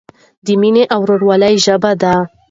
د مینې او ورورولۍ ژبه ده.